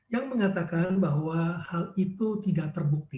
yang mengatakan bahwa hal itu tidak terbukti